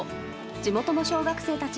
地元の小学生たち